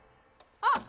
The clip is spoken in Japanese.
あっ！